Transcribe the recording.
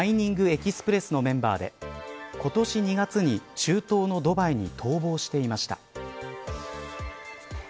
エキスプレスのメンバーで今年２月に中東のドバイに逃亡していました。